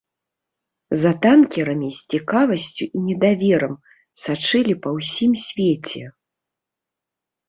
За танкерамі з цікавасцю і недаверам сачылі па ўсім свеце.